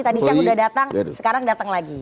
tadi siang sudah datang sekarang datang lagi